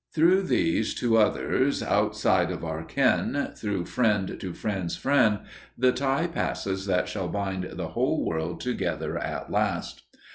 Through these to others outside of our ken, through friend to friend's friend the tie passes that shall bind the whole world together at last.